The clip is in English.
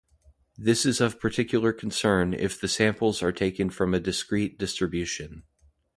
This is of particular concern if the samples are taken from a discrete distribution.